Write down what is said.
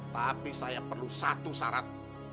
tapi saya perlu satu syarat